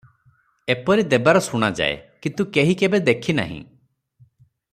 ଏପରି ଦେବାର ଶୁଣାଯାଏ, କିନ୍ତୁ କେହି କେବେ ଦେଖି ନାହିଁ ।